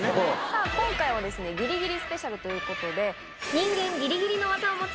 さぁ今回はギリギリスペシャルということで。